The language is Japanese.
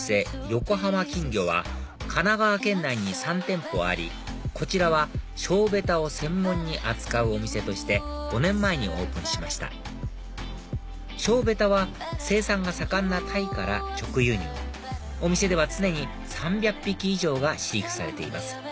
よこはま金魚は神奈川県内に３店舗ありこちらはショーベタを専門に扱うお店として５年前にオープンしましたショーベタは生産が盛んなタイから直輸入お店では常に３００匹以上が飼育されています